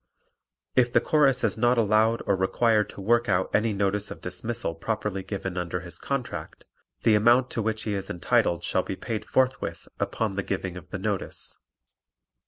If the Chorus is not allowed or required to work out any notice of dismissal properly given under his contract the amount to which he is entitled shall be paid forthwith upon the giving of the notice.